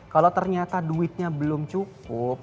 kalau ternyata duitnya belum cukup